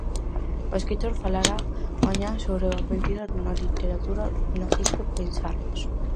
O escritor falará mañá sobre a mentira na literatura no ciclo "Pensarmos".